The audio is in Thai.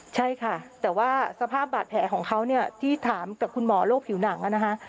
ใช่ค่ะแต่ว่าสภาพบาดแผลของเขาเนี่ยที่ถามกับคุณหมอโรคผิวหนังนะคะ